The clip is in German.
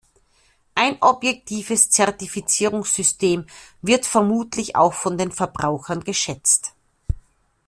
Ein objektives Zertifizierungssystem wird vermutlich auch von den Verbrauchern geschätzt.